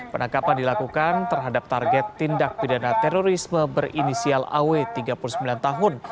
penangkapan dilakukan terhadap target tindak pidana terorisme berinisial aw tiga puluh sembilan tahun